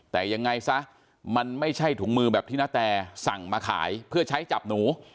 แต่ยังไงซะมันไม่ใช่ถุงมือแบบที่นาแตสั่งมาขายเพื่อใช้จับหนู